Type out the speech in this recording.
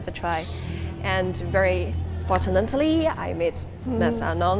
dan dengan keberuntungan saya bertemu dengan mas anong